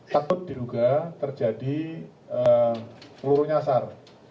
takut diduga terjadi peluru nyasar